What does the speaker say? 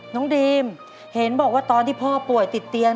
น้องดีมเห็นบอกว่าตอนที่พ่อป่วยติดเตียง